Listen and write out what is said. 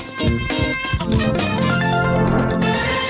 สวัสดีครับ